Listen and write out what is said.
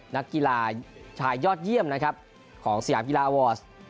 นักกีฬาชายยอดเยี่ยมนะครับของสยามกีฬาอาวอร์ส